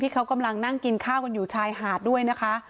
เขากำลังนั่งกินข้าวกันอยู่ชายหาดด้วยนะคะ